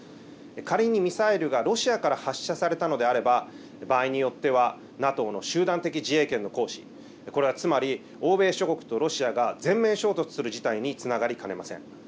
仮にミサイルがロシアから発射されたのであれば場合によってはＮＡＴＯの集団的自衛権の行使、これはつまり欧米諸国とロシアが全面衝突する事態につながりかねません。